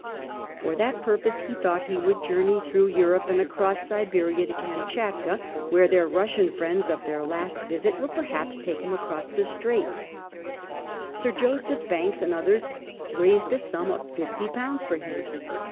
For that purpose he thought he would journey ' XIII CORPORAL LEDIARD l8i through Europe and across Siberia to Kamschatka, where their llussian friends of their last visit would per haps take him across the straits. Sir Joseph Banks and others raised a sum of fifty pounds for him.